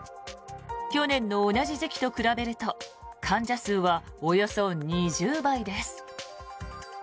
去年の同じ時期と比べると患者数はおよそ２０倍です。